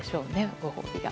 ご褒美が。